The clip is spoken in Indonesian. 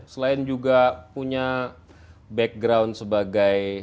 selain juga punya background sebagai